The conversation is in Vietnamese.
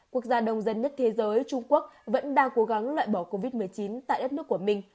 quốc gia đông dân nhất thế giới trung quốc vẫn đang cố gắng loại bỏ covid một mươi chín tại đất nước của mình